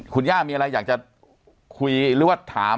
คุณย่ามีอะไรอยากจะคุยหรือว่าถาม